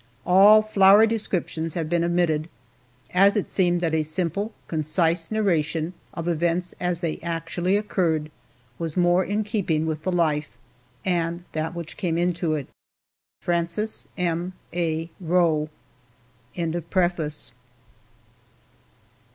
All flowery descriptions have been omitted, as it seemed that a simple, concise narration of events as they actually occurred, was more in keeping with the life, and that which came into it. FRANCES M. A. ROE.